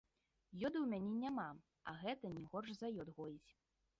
Ёду ў мяне няма, а гэта не горш за ёд гоіць.